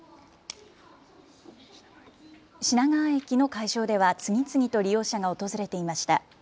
品川駅の会場では次々と利用者が訪れていました。